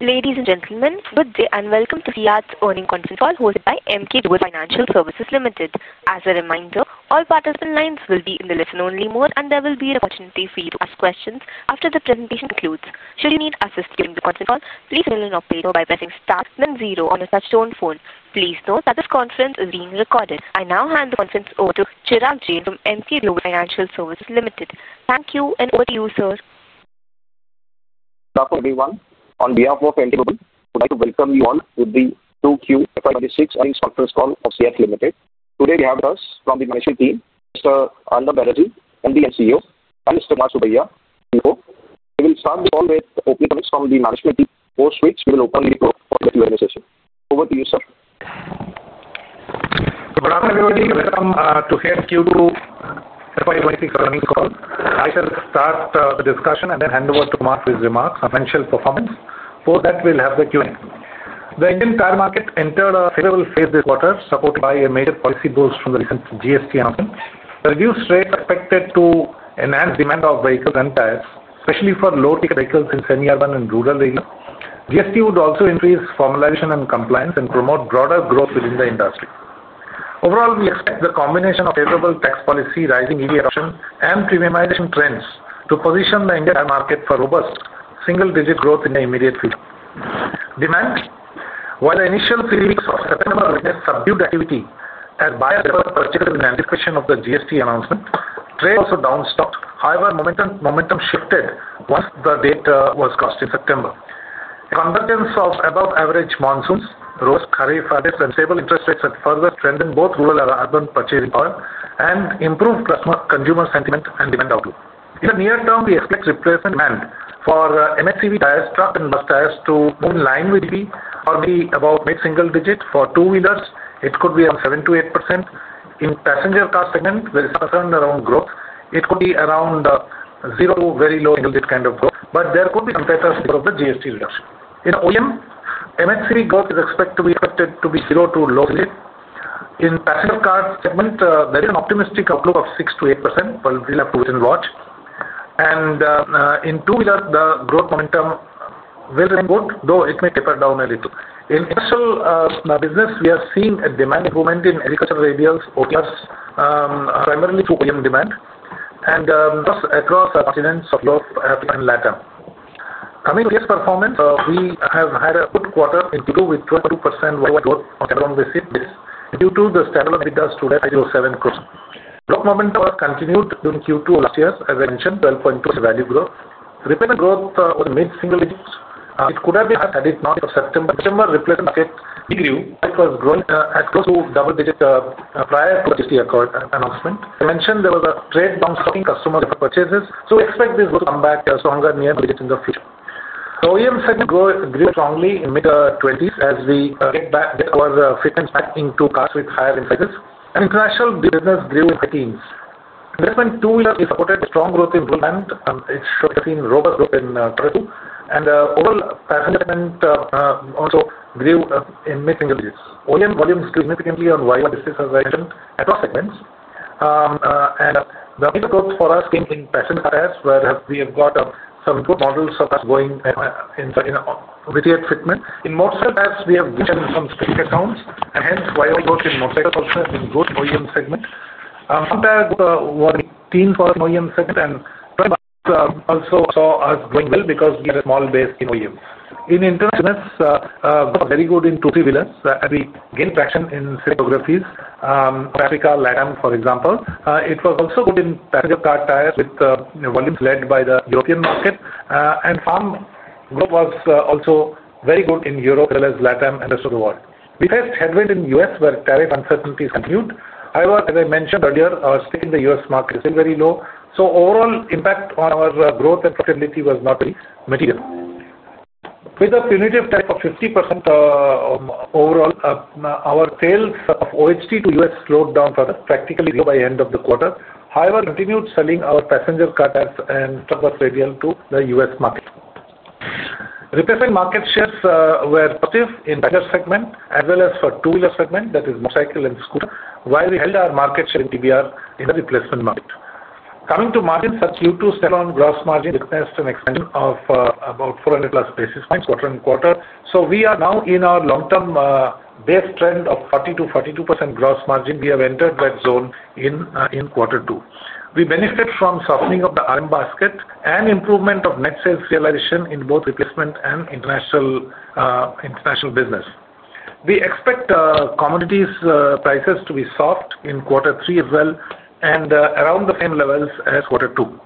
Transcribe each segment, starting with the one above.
Ladies and gentlemen, good day and welcome to the earnings conference call hosted by Emkay Global Financial Services Limited. As a reminder, all participant lines will be in the listen-only mode, and there will be an opportunity for you to ask questions after the presentation concludes. Should you need assistance during the conference call, please reach an operator by pressing star, then zero on a touch-tone phone. Please note that this conference is being recorded. I now hand the conference over to Chirag Jain from Emkay Global Financial Services Limited. Thank you, and over to you, sir. Good afternoon, everyone. On behalf of Emkay Global, I would like to welcome you all to the 2Q FY 2026 earnings conference call of CEAT Limited. Today, we have with us from the management team, Mr. Arnab Banerjee, MD and CEO, and Mr. Kumar Subbiah, CFO. We will start the call with opening comments from the management team, post which we will open the floor for the Q&A session. Over to you, sir. Good afternoon, everybody. Welcome to the 2Q FY 2026 earnings call. I shall start the discussion and then hand over to Kumar for his remarks on financial performance. Before that, we'll have the Q&A. The Indian car market entered a favorable phase this quarter, supported by major policy boosts from the recent GST announcement. The reduced rates are expected to enhance demand of vehicles and tyres, especially for low-ticket vehicles in semi-urban and rural areas. GST would also increase formalization and compliance and promote broader growth within the industry. Overall, we expect the combination of favorable tax policy, rising EV adoption, and premiumization trends to position the Indian car market for robust single-digit growth in the immediate future. Demand, while the initial three weeks of September witnessed subdued activity as buyers purchased in anticipation of the GST announcement, trade also downstopped. However, momentum shifted once the data was cast in September. The conductance of above-average monsoons, robust kharif floods, and stable interest rates have further strengthened both rural and urban purchasing power and improved consumer sentiment and demand outlook. In the near term, we expect replacement demand for MHEV tyres, trucks, and bus tyres to move in line with EVs or be about mid-single-digit. For two-wheelers, it could be around 7%-8%. In the passenger car segment, there is concern around growth. It could be around zero to very low single-digit kind of growth, but there could be some uptick because of the GST reduction. In the OEM, MHEV growth is expected to be zero to low-digit. In the passenger car segment, there is an optimistic outlook of 6%-8%, but we'll have to wait and watch. In two-wheelers, the growth momentum will remain good, though it may taper down a little. In industrial business, we are seeing a demand movement in agricultural radials, OTRs, primarily through OEM demand, and thus across continents of Europe, Africa, and Latin America. Coming to the U.S. performance, we have had a good quarter in Q2 with 22% worldwide growth on headcount-based EVs due to the standalone data stood at 0.07%. Growth momentum was continued during Q2 of last year, as I mentioned, 12.2% value growth. Replacement growth was mid-single-digit. It could have been higher had it not been for September. In September, replacement market grew, which was growing at close to double-digit prior to the GST announcement. I mentioned there was a trade down stopping customers' purchases, so we expect this growth to come back stronger near the digits in the future. The OEM segment grew strongly in the mid-20s as we get back our footprints back into cars with higher in sizes, and international business grew in high teens. Investment tools, we supported strong growth in rural land, and it should have seen robust growth in total. The overall passenger segment also grew in mid-single-digits. OEM volumes grew significantly on wider basis, as I mentioned, across segments. The major growth for us came in passenger cars, where we have got some good models of us going in a retail fitment. In motorcycle cars, we have returned some specific accounts, and hence, wider growth in motorcycle cars has been good in the OEM segment. Month-end was a good, warming team for an OEM segment, and trend markets also saw us going well because we had a small base in OEM. In international business, we were very good in two-three-wheelers, and we gained traction in several geographies. For Africa, Latin America, for example, it was also good in passenger car tyres with volumes led by the European market. Farm growth was also very good in Europe, as well as Latin America, and the rest of the world. We faced headwinds in the U.S., where tariff uncertainties continued. However, as I mentioned earlier, our stake in the U.S. market is still very low, so overall impact on our growth and profitability was not really material. With a punitive tariff of 50% overall, our sales of OHT to U.S. slowed down further, practically by the end of the quarter. However, we continued selling our passenger car tyres and truck-bus radial tyres to the U.S. market. Replacement market shares were positive in the trailer segment, as well as for the two-wheeler segment, that is motorcycle and scooter, while we held our market share in TBR in the replacement market. Coming to margins at Q2, standalone gross margin witnessed an expansion of about 400+ basis points quarter on quarter. We are now in our long-term base trend of 40%-42% gross margin. We have entered that zone in quarter two. We benefit from softening of the raw material basket and improvement of net sales realization in both replacement and international business. We expect commodities prices to be soft in quarter three as well, and around the same levels as quarter two.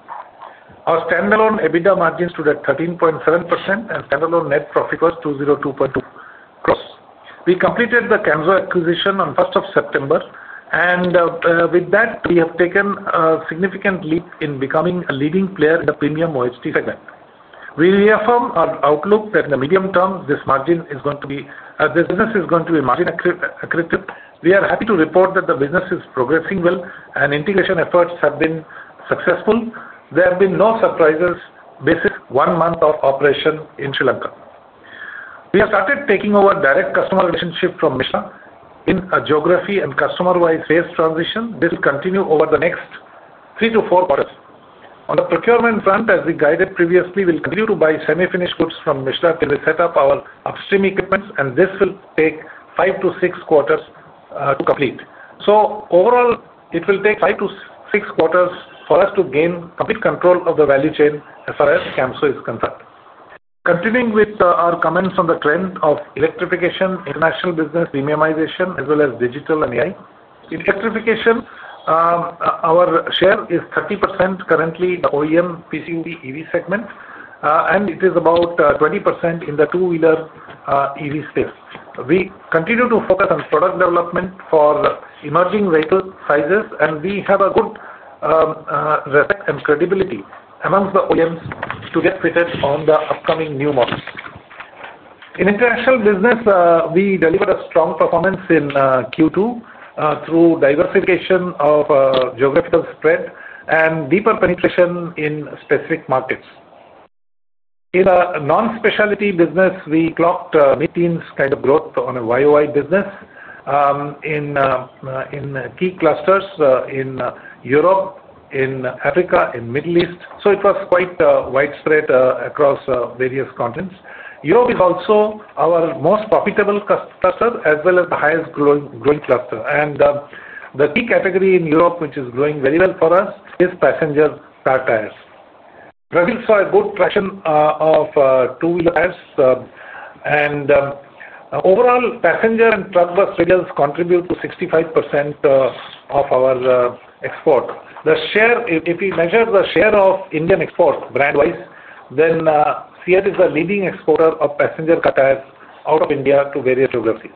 Our standalone EBITDA margins stood at 13.7%, and standalone net profit was 202.2 crore. We completed the Camso acquisition on 1st of September, and with that, we have taken a significant leap in becoming a leading player in the premium OHT segment. We reaffirm our outlook that in the medium term, this margin is going to be margin accretive. We are happy to report that the business is progressing well, and integration efforts have been successful. There have been no surprises based on one month of operation in Sri Lanka. We have started taking over direct customer relationship from Michelin in a geography and customer-wise phase transition. This will continue over the next three to four quarters. On the procurement front, as we guided previously, we'll continue to buy semi-finished goods from Michelin till we set up our upstream equipment, and this will take five to six quarters to complete. Overall, it will take five to six quarters for us to gain complete control of the value chain as far as Camso is concerned. Continuing with our comments on the trend of electrification, international business premiumization, as well as digital and AI. In electrification, our share is 30% currently in the OEM, PCEV, EV segment, and it is about 20% in the two-wheeler EV space. We continue to focus on product development for emerging vehicle sizes, and we have a good respect and credibility amongst the OEMs to get fitted on the upcoming new models. In international business, we delivered a strong performance in Q2 through diversification of geographical spread and deeper penetration in specific markets. In the non-specialty business, we clocked mid-teens kind of growth on a year-on-year basis in key clusters in Europe, in Africa, and Middle East. It was quite widespread across various continents. Europe is also our most profitable cluster, as well as the highest growing cluster. The key category in Europe, which is growing very well for us, is passenger vehicle tyres. We saw a good traction of two-wheeler tyres, and overall, passenger and truck-bus radial tyres contribute to 65% of our export. If we measure the share of Indian exports brand-wise, then CEAT is the leading exporter of passenger vehicle tyres out of India to various geographies.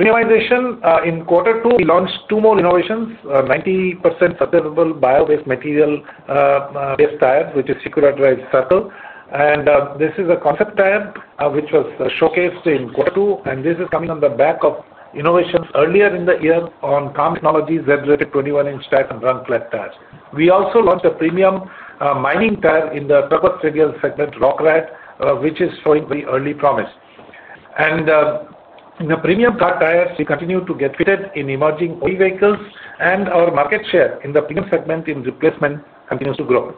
Premiumization in quarter two, we launched two more innovations, 90% sustainable, bio-based material-based tyres, which is SecuraDrive CIRCL. This is a concept tyre, which was showcased in quarter two, and this is coming on the back of innovations earlier in the year on Calm Technologies Z-rated 21-inch tyres and round flat tyres. We also launched a premium mining tyre in the truck-bus radial segment, ROCKRAD, which is showing very early promise. In the premium car tyres, we continue to get fitted in emerging OE vehicles, and our market share in the premium segment in replacement continues to grow.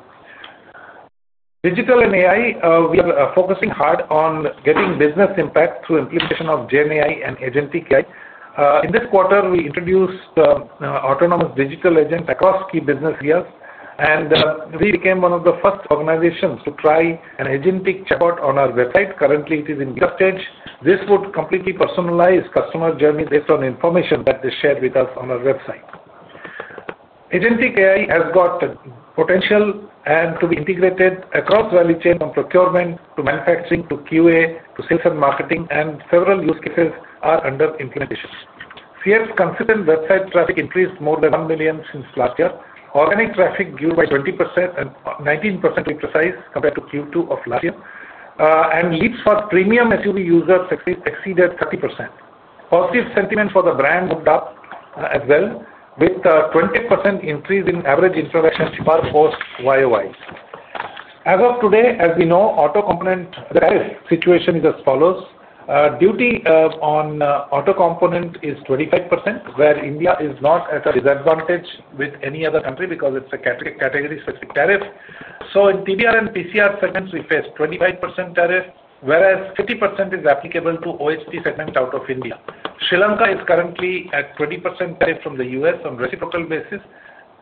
Digital and AI, we are focusing hard on getting business impact through implementation of GenAI and agentic AI. In this quarter, we introduced autonomous digital agents across key business areas, and we became one of the first organizations to try an agentic checkout on our website. Currently, it is in beta stage. This would completely personalize customer journeys based on information that they shared with us on our website. Agentic AI has got potential and to be integrated across value chain from procurement to manufacturing to QA to sales and marketing, and several use cases are under implementation. CEAT's consistent website traffic increased more than 1 million since last year. Organic traffic grew by 20% and 19%, to be precise, compared to Q2 of last year. Leads for premium SUV users exceeded 30%. Positive sentiment for the brand opened up as well, with a 20% increase in average interaction per post YoY. As of today, as we know, auto component tariff situation is as follows. Duty on auto component is 25%, where India is not at a disadvantage with any other country because it's a category-specific tariff. In TBR and PCR segments, we face 25% tariff, whereas 50% is applicable to OHT segment out of India. Sri Lanka is currently at 20% tariff from the U.S. on a reciprocal basis,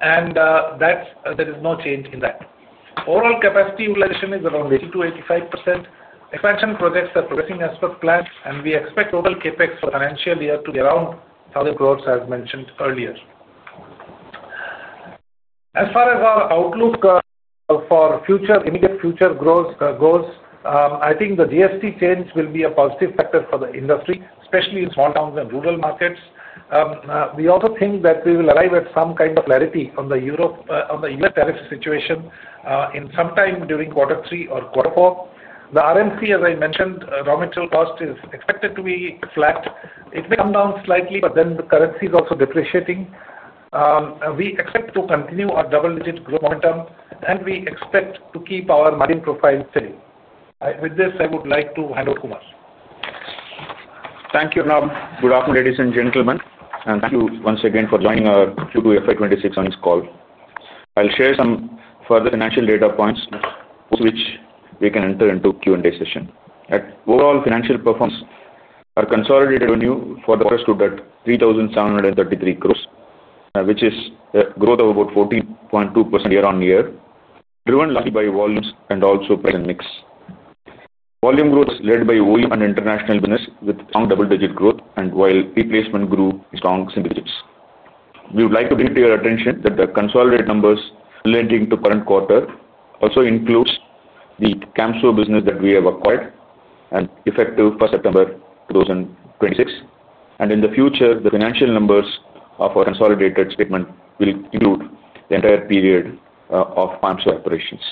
and there is no change in that. Overall capacity utilization is around 80%-85%. Expansion projects are progressing as per plan, and we expect total CapEx for the financial year to be around 1,000 crore, as mentioned earlier. As far as our outlook for immediate future growth goes, I think the GST change will be a positive factor for the industry, especially in small towns and rural markets. We also think that we will arrive at some kind of clarity on the U.S. tariff situation in some time during quarter three or quarter four. The RMC, as I mentioned, raw material cost, is expected to be flat. It may come down slightly, but then the currency is also depreciating. We expect to continue our double-digit growth momentum, and we expect to keep our margin profile steady. With this, I would like to hand over to Kumar. Thank you, Arnab. Good afternoon, ladies and gentlemen. Thank you once again for joining our Q2 FY 2026 earnings call. I'll share some further financial data points, which we can enter into Q&A session. At overall financial performance, our consolidated revenue for the first quarter is 3,733 crore, which is a growth of about 14.2% year-on-year, driven largely by volumes and also present mix. Volume growth is led by OEM and international business, with strong double-digit growth, while replacement grew in strong single digits. We would like to bring to your attention that the consolidated numbers relating to the current quarter also include the Camso business that we have acquired and effective for September 2026. In the future, the financial numbers of our consolidated statement will include the entire period of Camso operations.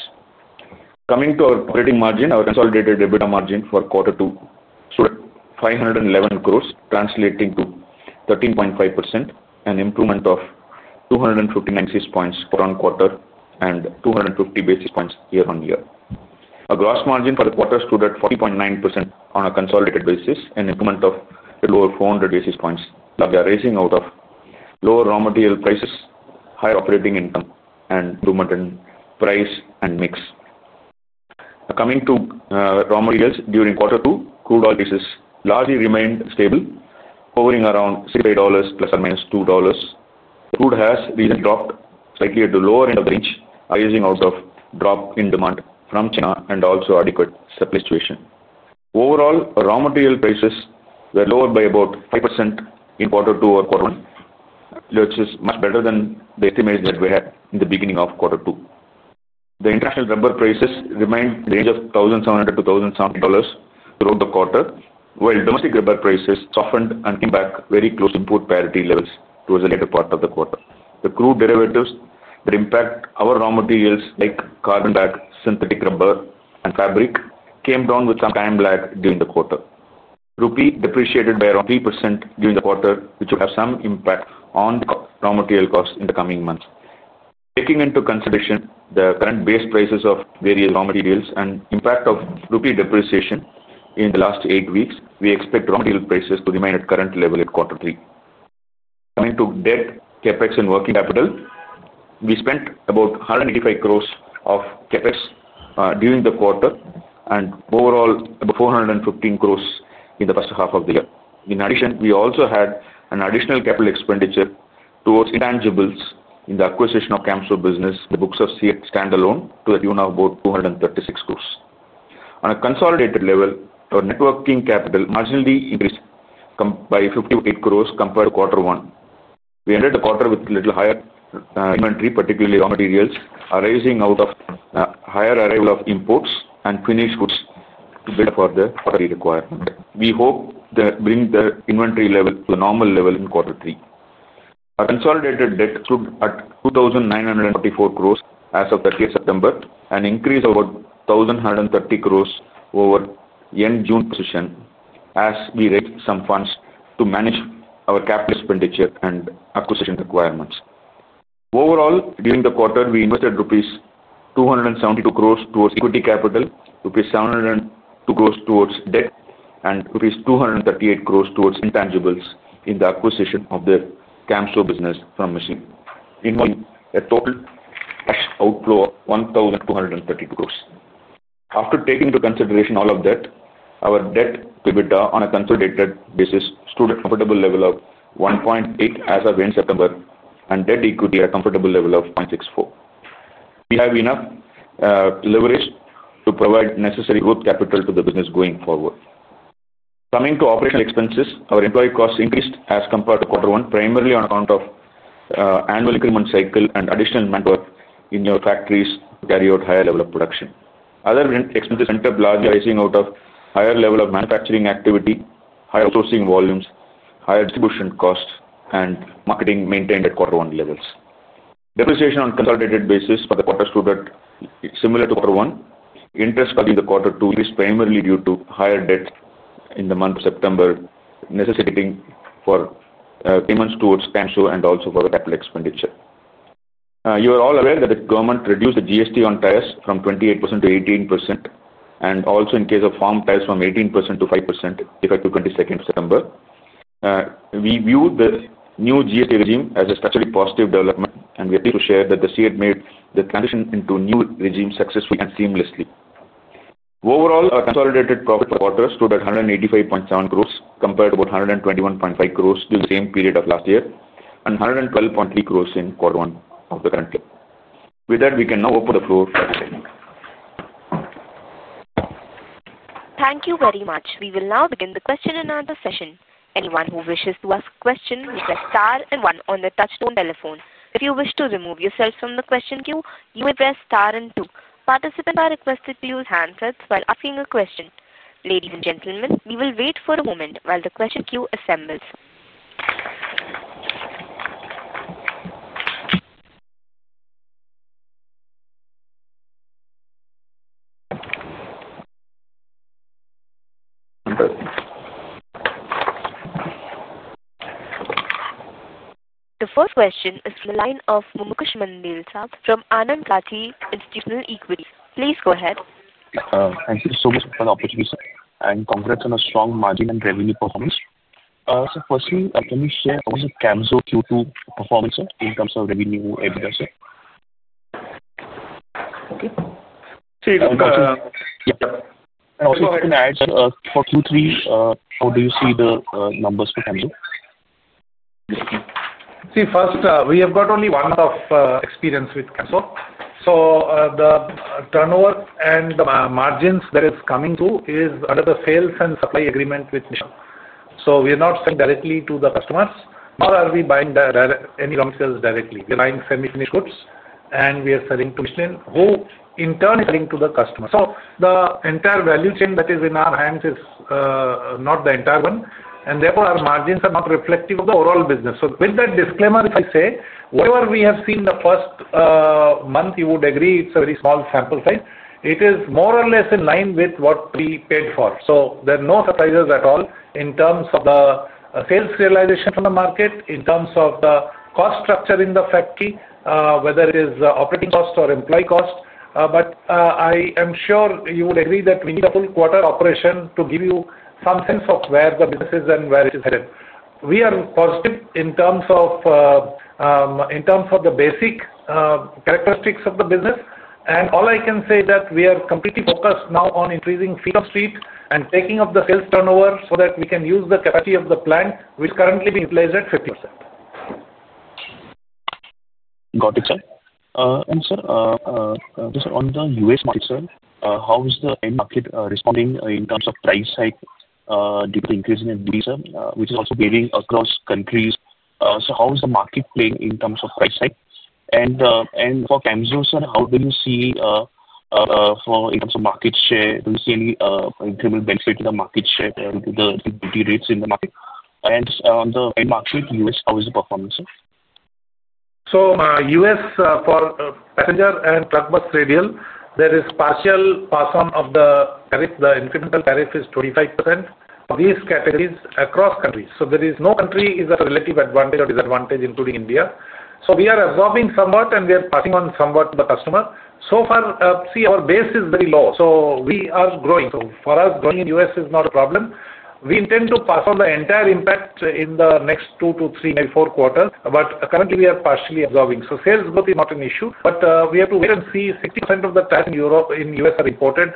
Coming to our operating margin, our consolidated EBITDA margin for quarter two stood at 511 crore, translating to 13.5% and an improvement of 259 basis points for one quarter and 250 basis points year-on-year. Our gross margin for the quarter stood at 40.9% on a consolidated basis, an improvement of a little over 400 basis points. We are raising out of lower raw material prices, higher operating income, and improvement in price and mix. Coming to raw materials during quarter two, crude oil prices largely remained stable, hovering around $60 ± $2. Crude has recently dropped slightly at the lower end of the range, arising out of a drop in demand from China and also adequate supply situation. Overall, raw material prices were lowered by about 5% in quarter two over quarter one, which is much better than the estimates that we had in the beginning of quarter two. The international rubber prices remained in the range of $1,700-$1,700 throughout the quarter, while domestic rubber prices softened and came back very close to import parity levels towards the later part of the quarter. The crude derivatives that impact our raw materials, like carbon black, synthetic rubber, and fabric, came down with some time lag during the quarter. Rupee depreciated by around 3% during the quarter, which will have some impact on raw material costs in the coming months. Taking into consideration the current base prices of various raw materials and the impact of rupee depreciation in the last eight weeks, we expect raw material prices to remain at the current level in quarter three. Coming to debt, CapEx, and working capital, we spent about 185 crore of CapEx during the quarter and overall, about 415 crore in the first half of the year. In addition, we also had an additional capital expenditure towards intangibles in the acquisition of the Camso business, in the books of CEAT standalone to a tune of about 236 crore. On a consolidated level, our net working capital marginally increased by 58 crore compared to quarter one. We ended the quarter with a little higher inventory, particularly raw materials, arising out of a higher arrival of imports and finished goods to build up for the quarterly requirement. We hope that it brings the inventory level to a normal level in quarter three. Our consolidated debt stood at 2,944 crore as of the 30th of September and increased about 1,130 crore over the end of June position, as we raised some funds to manage our capital expenditure and acquisition requirements. Overall, during the quarter, we invested rupees 272 crore towards equity capital, rupees 702 crore towards debt, and rupees 238 crore towards intangibles in the acquisition of the Camso business from Michelin, involving a total cash outflow of 1,232 crore. After taking into consideration all of that, our debt-to-EBITDA on a consolidated basis stood at a comfortable level of 1.8 as of end of September, and debt-to-equity at a comfortable level of 0.64. We have enough leverage to provide necessary growth capital to the business going forward. Coming to operational expenses, our employee costs increased as compared to quarter one, primarily on account of annual increment cycle and additional manpower in our factories to carry out higher level of production. Other expenses entered largely arising out of a higher level of manufacturing activity, higher outsourcing volumes, higher distribution costs, and marketing maintained at quarter one levels. Depreciation on a consolidated basis for the quarter stood at similar to quarter one. Interest value in quarter two increased primarily due to higher debt in the month of September, necessitating for payments towards Camso and also for the capital expenditure. You are all aware that the government reduced the GST on tyres from 28% to 18% and also reduced the GST on farm tyres from 18% to 5% effective 22nd of September. We view the new GST regime as a structurally positive development, and we are pleased to share that CEAT made the transition into a new regime successfully and seamlessly. Overall, our consolidated profit for the quarter stood at 185.7 crores compared to about 121.5 crores during the same period of last year and 112.3 crores in quarter one of the current year. With that, we can now open the floor for the Q&A. Thank you very much. We will now begin the question and answer session. Anyone who wishes to ask a question may press star and one on the touch-tone telephone. If you wish to remove yourself from the question queue, you may press star and two. Participants are requested to use handsets while asking a question. Ladies and gentlemen, we will wait for a moment while the question queue assembles. The first question is from the line of Mumuksh Mandlesha from Anand Rathi Institutional Equity. Please go ahead. Thank you so much for the opportunity. Congrats on a strong margin and revenue performance. Firstly, can you share how was the Camso Q2 performance in terms of revenue and EBITDA? Okay. Yeah, if I can add, for Q3, how do you see the numbers for Camso? See, first, we have got only one month of experience with Camso. The turnover and the margins that is coming through is under the sales and supply agreement with Michelin. We are not selling directly to the customers, nor are we buying any raw materials directly. We are buying semi-finished goods, and we are selling to Michelin, who in turn is selling to the customers. The entire value chain that is in our hands is not the entire one, and therefore, our margins are not reflective of the overall business. With that disclaimer, if I say whatever we have seen in the first month, you would agree it's a very small sample size. It is more or less in line with what we paid for. There are no surprises at all in terms of the sales realization on the market, in terms of the cost structure in the factory, whether it is operating cost or employee cost. I am sure you would agree that we need a full quarter operation to give you some sense of where the business is and where it is headed. We are positive in terms of the basic characteristics of the business. All I can say is that we are completely focused now on increasing feet-of-street and taking up the sales turnover so that we can use the capacity of the plant, which is currently being utilized at 50%. Got it, sir. Sir, just on the U.S. market, how is the end market responding in terms of price hike due to the increase in EBITDA, which is also varying across countries? How is the market playing in terms of price hike? For Camso, sir, how do you see in terms of market share? Do you see any incremental benefit to the market share and to the liquidity rates in the market? On the end market, U.S., how is the performance, sir? The U.S. for passenger and truck-bus radial, there is partial pass-on of the tariff. The incremental tariff is 25% for these categories across countries. There is no country with a relative advantage or disadvantage, including India. We are absorbing somewhat, and we are passing on somewhat to the customer. Our base is very low, so we are growing. For us, growing in the U.S. is not a problem. We intend to pass on the entire impact in the next two to three, maybe four quarters. Currently, we are partially absorbing. Sales growth is not an issue. We have to wait and see. 60% of the tariffs in Europe and the U.S. are imported.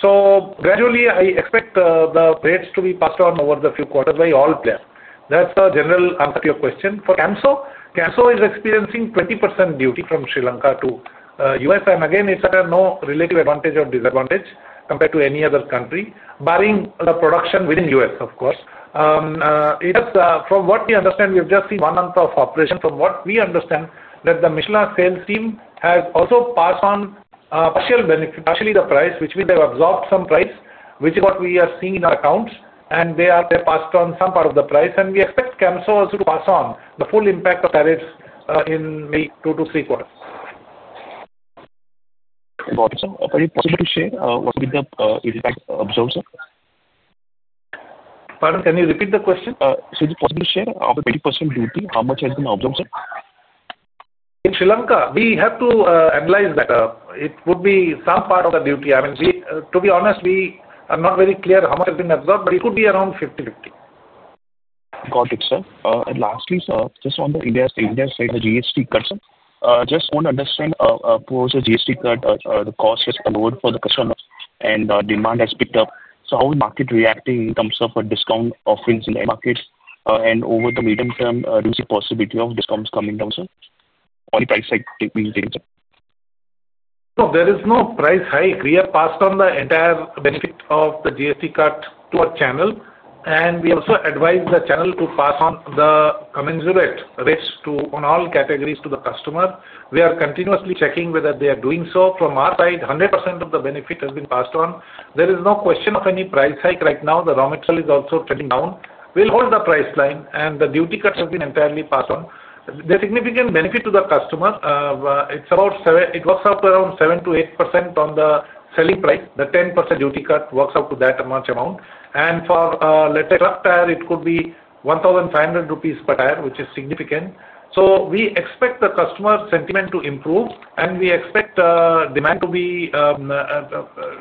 Gradually, I expect the rates to be passed on over the few quarters by all players. That's a general answer to your question. For Camso, Camso is experiencing 20% duty from Sri Lanka to the U.S. Again, it's no relative advantage or disadvantage compared to any other country, barring the production within the U.S., of course. From what we understand, we have just seen one month of operation. From what we understand, the Michelin sales team has also passed on partial benefits, partially the price, which means they've absorbed some price, which is what we are seeing in our accounts. They have passed on some part of the price. We expect Camso also to pass on the full impact of tariffs in maybe two to three quarters. Got it, sir. Are you possible to share what's been the impact observed, sir? Pardon, can you repeat the question? Sir, is it possible to share of the 20% duty, how much has been absorbed, sir? In Sri Lanka, we have to analyze that. It would be some part of the duty. To be honest, we are not very clear how much has been absorbed, but it could be around 50/50. Got it, sir. Lastly, sir, just on the India side, the GST cut, sir, just want to understand, post the GST cut, the cost has been lowered for the customer, and demand has picked up. How is the market reacting in terms of discount offerings in the end market? Over the medium term, do you see the possibility of discounts coming down, sir, or the price hike being taken, sir? No, there is no price hike. We have passed on the entire benefit of the GST cut to a channel, and we also advise the channel to pass on the commensurate rates to all categories to the customer. We are continuously checking whether they are doing so. From our side, 100% of the benefit has been passed on. There is no question of any price hike right now. The raw material is also trending down. We'll hold the price line, and the duty cut has been entirely passed on. There's significant benefit to the customer. It works out to around 7%-8% on the selling price. The 10% duty cut works out to that much amount. For, let's say, truck tire, it could be 1,500 rupees per tire, which is significant. We expect the customer sentiment to improve, and we expect demand to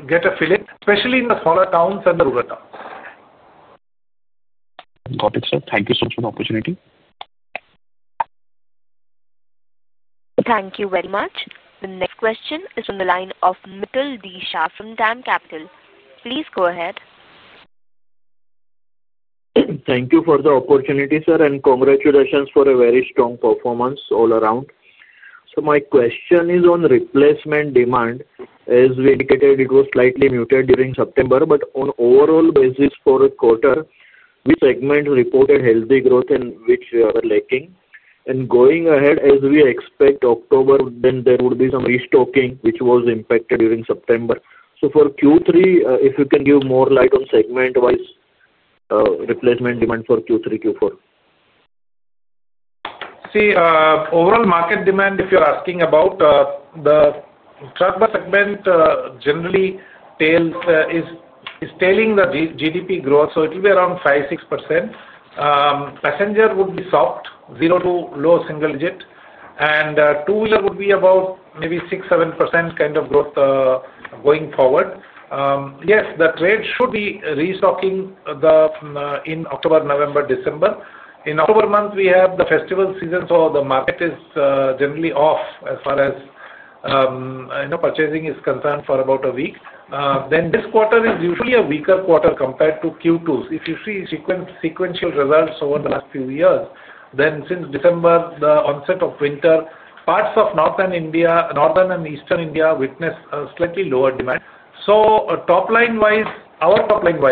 get a filling, especially in the smaller towns and the rural towns. Got it, sir. Thank you so much for the opportunity. Thank you very much. The next question is from the line of Mitul Sha from DAM Capital. Please go ahead. Thank you for the opportunity, sir, and congratulations for a very strong performance all around. My question is on replacement demand. As we indicated, it was slightly muted during September, but on an overall basis for a quarter, which segment reported healthy growth and which were lacking? Going ahead, as we expect October, there would be some restocking, which was impacted during September. For Q3, if you can give more light on segment-wise replacement demand for Q3, Q4. See, overall market demand, if you're asking about the truck-bus radial segment, generally, is tailing the GDP growth. It will be around 5%-6%. Passenger would be soft, zero to low single digit. Two-wheeler would be about maybe 6%-7% kind of growth going forward. Yes, the trade should be restocking in October, November, December. In October, we have the festival season, so the market is generally off as far as purchasing is concerned for about a week. This quarter is usually a weaker quarter compared to Q2. If you see sequential results over the last few years, since December, the onset of winter, parts of Northern India and Eastern India witnessed a slightly lower demand. Top line-wise, looking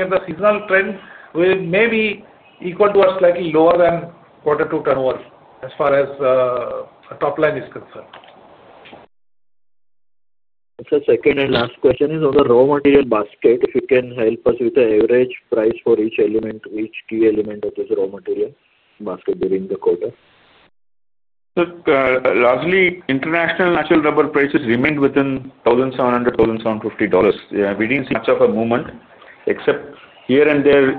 at the seasonal trend, we may be equal to or slightly lower than Q2 turnover as far as the top line is concerned. Sir, second and last question is on the raw material basket. If you can help us with the average price for each element, each key element of this raw material basket during the quarter. Sir, largely, international natural rubber prices remain within $1,700, $1,750. We didn't see much of a movement except here and there,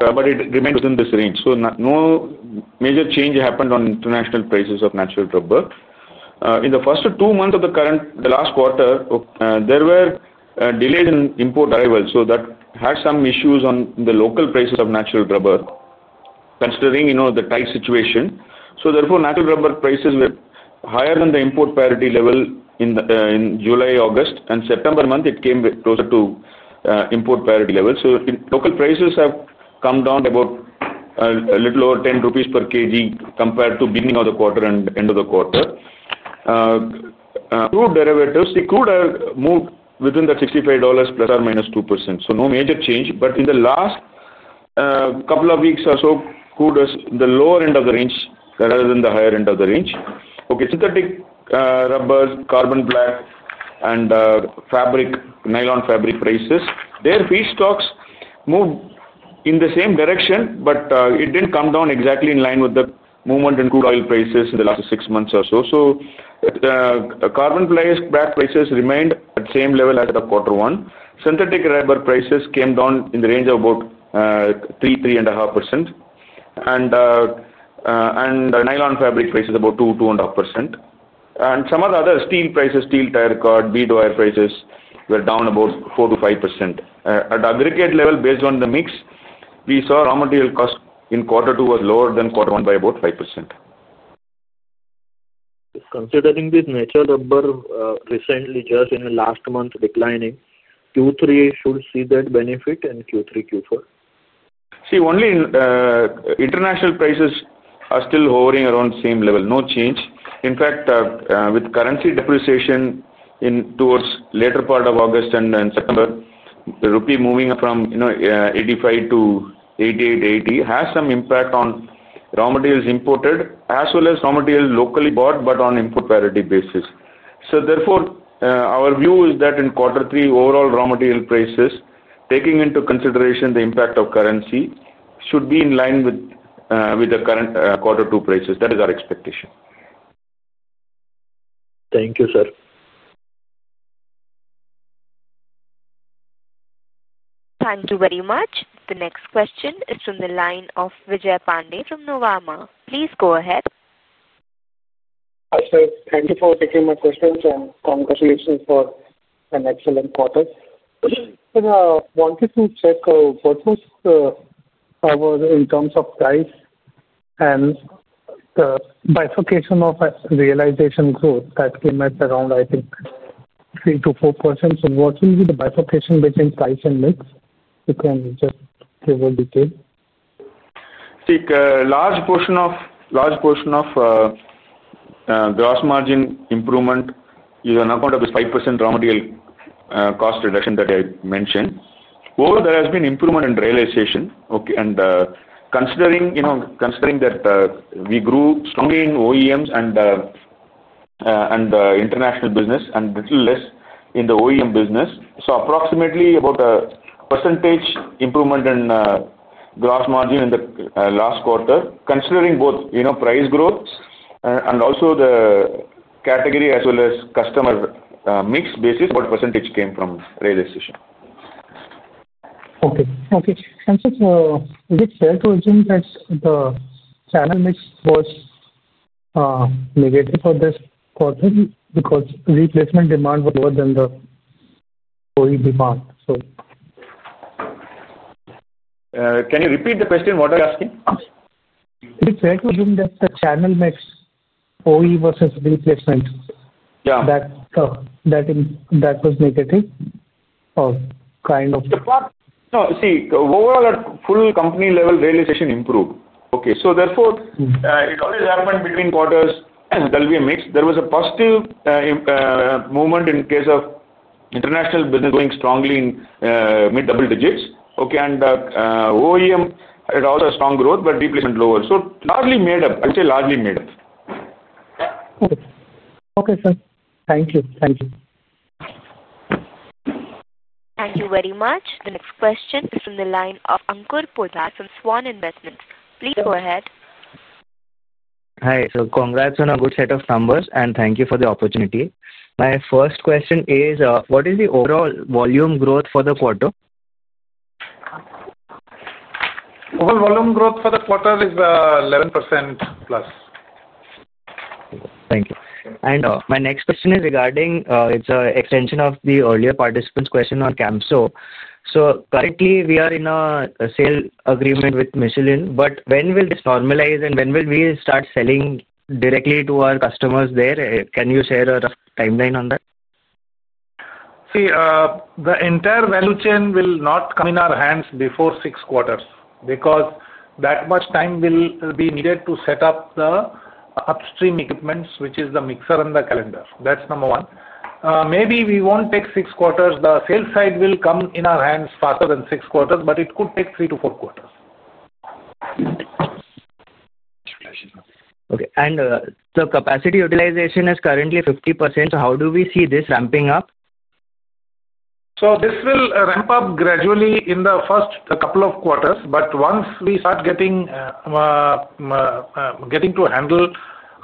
but it remains within this range. No major change happened on international prices of natural rubber. In the first two months of the current, the last quarter, there were delays in import arrivals. That had some issues on the local prices of natural rubber considering the tight situation. Therefore, natural rubber prices were higher than the import parity level in July, August, and September month, it came closer to import parity level. Local prices have come down about a little over 10 rupees per kg compared to the beginning of the quarter and end of the quarter. Crude derivatives, see, crude has moved within the $65 ± 2%. No major change. In the last couple of weeks or so, crude is in the lower end of the range rather than the higher end of the range. Synthetic rubber, carbon black, and nylon fabric prices, their feedstocks moved in the same direction, but it didn't come down exactly in line with the movement in crude oil prices in the last six months or so. Carbon black prices remained at the same level as the quarter one. Synthetic rubber prices came down in the range of about 3%, 3.5%. Nylon fabric prices about 2%, 2.5%. Some of the other steel prices, steel tire cord, bead wire prices were down about 4%-5%. At the aggregate level, based on the mix, we saw raw material cost in quarter two was lower than quarter one by about 5%. Considering this natural rubber recently just in the last month declining, Q3 should see that benefit in Q3, Q4? See, only international prices are still hovering around the same level. No change. In fact, with currency depreciation towards the later part of August and September, the rupee moving from 85 to 88.80 has some impact on raw materials imported as well as raw materials locally bought, but on an import parity basis. Therefore, our view is that in quarter three, overall raw material prices, taking into consideration the impact of currency, should be in line with the current quarter two prices. That is our expectation. Thank you, sir. Thank you very much. The next question is from the line of Vijay Pandey from Nuvama. Please go ahead. Hi, sir. Thank you for taking my questions and congratulations for an excellent quarter. Wanted to check what was the cover in terms of price and the bifurcation of realization growth that came at around, I think, 3%-4%. What will be the bifurcation between price and mix? If you can just give a detail. See, a large portion of gross margin improvement is on account of this 5% raw material cost reduction that I mentioned. Overall, there has been improvement in realization. Considering that we grew strongly in OEMs and the international business and a little less in the OEM business, approximately about a percentage improvement in gross margin in the last quarter, considering both price growth and also the category as well as customer mix basis, about a percentage came from realization. Okay. Okay. Sir, is it fair to assume that the channel mix was negative for this quarter because replacement demand was lower than the OE demand? Can you repeat the question? What are you asking? Is it fair to assume that the channel mix OE versus replacement, yeah, that was negative or kind of? No, see, overall, at full company level, realization improved. Therefore, it always happened between quarters, there'll be a mix. There was a positive movement in case of international business growing strongly in mid-double digits. OEM had also a strong growth, but replacement lower. Largely made up. I'd say largely made up. Okay. Thank you. Thank you. Thank you very much. The next question is from the line of Ankur Poddar from Swan Investments. Please go ahead. Hi. Congrats on a good set of numbers, and thank you for the opportunity. My first question is, what is the overall volume growth for the quarter? Overall volume growth for the quarter is 11%+. Thank you. My next question is regarding it's an extension of the earlier participant's question on Camso. Currently, we are in a sale agreement with Michelin. When will this normalize, and when will we start selling directly to our customers there? Can you share a rough timeline on that? See, the entire value chain will not come in our hands before six quarters because that much time will be needed to set up the upstream equipments, which is the mixer and the calendar. That's number one. Maybe we won't take six quarters. The sales side will come in our hands faster than six quarters, but it could take three to four quarters. Okay. The capacity utilization is currently 50%. How do we see this ramping up? This will ramp up gradually in the first couple of quarters. Once we start getting to handle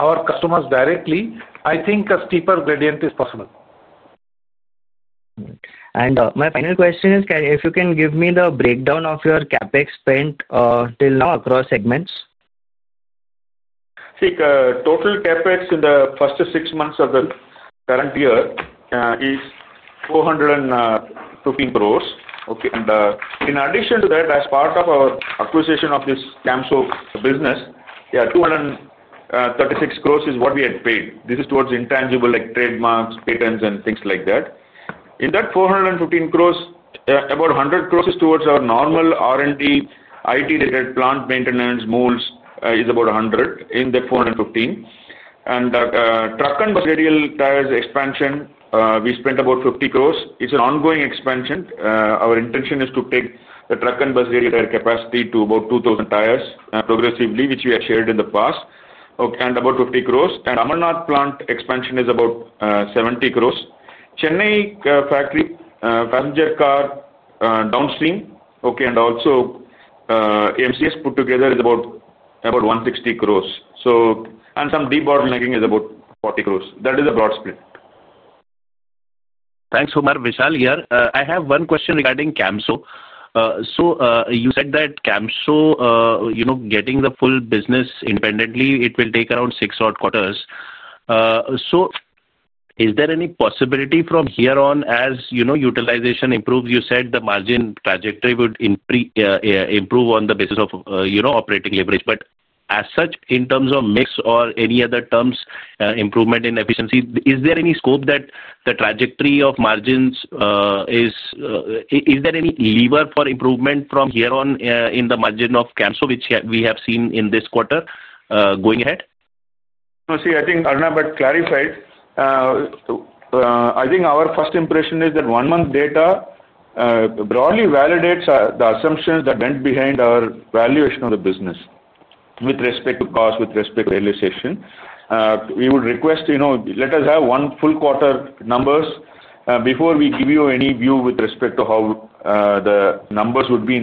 our customers directly, I think a steeper gradient is possible. My final question is, if you can give me the breakdown of your CapEx spent till now across segments? See, the total CapEx in the first six months of the current year is 415 crore. In addition to that, as part of our acquisition of this Camso business, 236 crore is what we had paid. This is towards intangible, like trademarks, patents, and things like that. In that 415 crore, about 100 crore is towards our normal R&D, IT-related plant maintenance, molds is about 100 in the 415. Truck and bus radial tyres expansion, we spent about 50 crore. It's an ongoing expansion. Our intention is to take the truck and bus radial tyre capacity to about 2,000 tyres progressively, which we have shared in the past. About 50 crore. Ambernath plant expansion is about 70 crore. Chennai factory, passenger car downstream, and also MCS put together is about 160 crore. Some de-border linking is about 40 crore. That is a broad split. Thanks, Kumar. Vishal here. I have one question regarding Camso. You said that Camso, getting the full business independently, it will take around six odd quarters. Is there any possibility from here on as utilization improves? You said the margin trajectory would improve on the basis of operating leverage. As such, in terms of mix or any other terms, improvement in efficiency, is there any scope that the trajectory of margins, is there any lever for improvement from here on in the margin of Camso, which we have seen in this quarter going ahead? No, see, I think Arnab had clarified. I think our first impression is that one-month data broadly validates the assumptions that went behind our valuation of the business with respect to cost, with respect to realization. We would request, you know, let us have one full quarter numbers before we give you any view with respect to how the numbers would be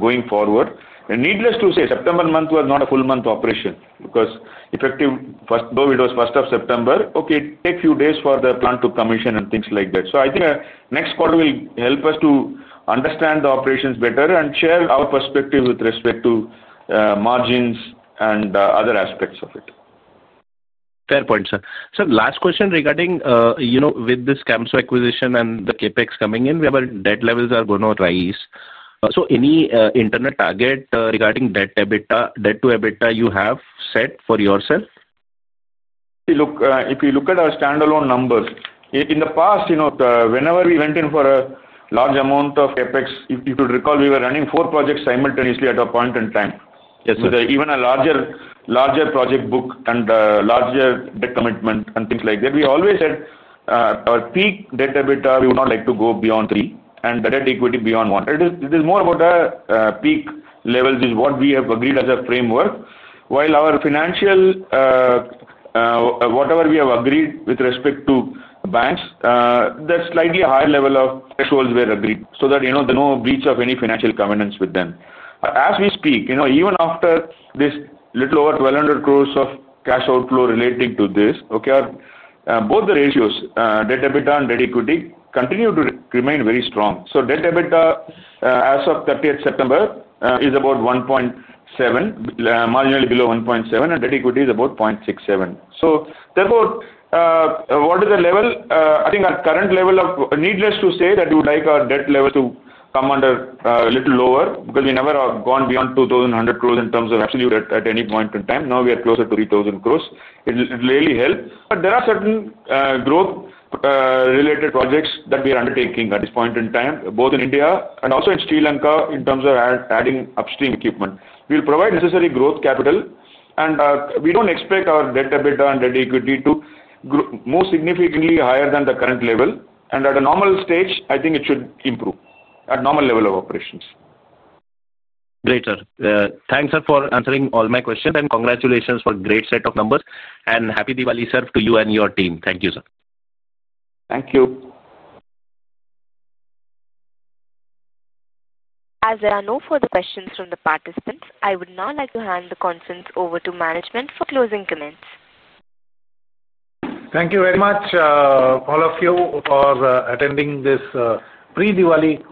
going forward. Needless to say, September month was not a full month operation because effective first, though it was 1st of September, it takes a few days for the plant to commission and things like that. I think next quarter will help us to understand the operations better and share our perspective with respect to margins and other aspects of it. Fair point, sir. Sir, last question regarding, you know, with this Camso acquisition and the CapEx coming in, whatever debt levels are going to rise. Any internal target regarding debt-to-EBITDA you have set for yourself? See, look, if you look at our standalone numbers, in the past, whenever we went in for a large amount of CapEx, if you could recall, we were running four projects simultaneously at a point in time. Even a larger project book and a larger debt commitment and things like that, we always said our peak debt-to-EBITDA, we would not like to go beyond 3, and the debt-to-equity beyond 1. It is more about the peak levels, which is what we have agreed as a framework. While our financial, whatever we have agreed with respect to the banks, there are slightly higher levels of thresholds agreed so that there's no breach of any financial covenants with them. As we speak, even after this little over 1,200 crores of cash outflow relating to this, both the ratios, debt-to-EBITDA and debt-to-equity, continue to remain very strong. Debt-to-EBITDA as of 30th September is about 1.7, marginally below 1.7, and debt-to-equity is about 0.67. Therefore, what is the level? I think our current level of needless to say that we would like our debt level to come under a little lower because we never have gone beyond 2,100 crores in terms of absolute debt at any point in time. Now we are closer to 3,000 crores. It'll really help. There are certain growth-related projects that we are undertaking at this point in time, both in India and also in Sri Lanka, in terms of adding upstream equipment. We'll provide necessary growth capital. We don't expect our debt-to-EBITDA and debt-to-equity to grow more significantly higher than the current level. At a normal stage, I think it should improve at a normal level of operations. Great, sir. Thanks, sir, for answering all my questions. Congratulations for a great set of numbers, and Happy Diwali, sir, to you and your team. Thank you, sir. Thank you. As there are no further questions from the participants, I would now like to hand the consents over to management for closing comments. Thank you very much, all of you, for attending this pre-Diwali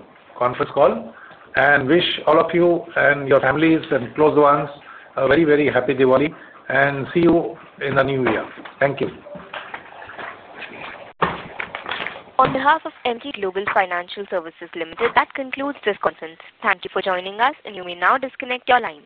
conference call. I wish all of you and your families and close ones a very, very Happy Diwali. See you in the new year. Thank you. On behalf of Emkay Global Financial Services Limited, that concludes this consent. Thank you for joining us, and you may now disconnect your line.